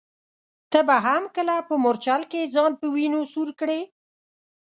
ته به هم کله په مورچل کي ځان په وینو سور کړې ؟